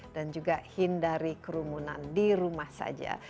dan juga hindari kerumunan di rumah saja